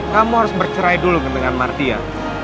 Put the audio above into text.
kamu harus bercerai dulu dengan martia